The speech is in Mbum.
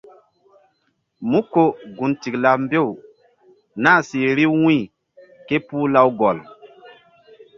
Mú ko gun tikla mbew nah si vbi wu̧y ké puh Lawgɔl.